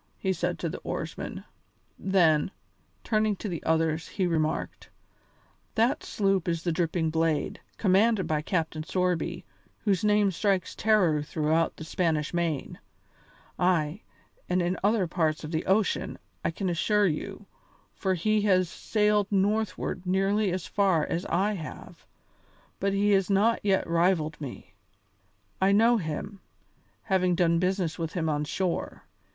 he said to the oarsmen. Then, turning to the others, he remarked: "That sloop is the Dripping Blade, commanded by Captain Sorby, whose name strikes terror throughout the Spanish Main. Ay! and in other parts of the ocean, I can assure you, for he has sailed northward nearly as far as I have, but he has not yet rivalled me. I know him, having done business with him on shore.